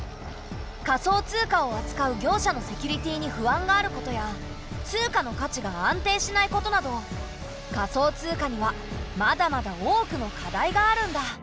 仮想通貨をあつかう業者のセキュリティーに不安があることや通貨の価値が安定しないことなど仮想通貨にはまだまだ多くの課題があるんだ。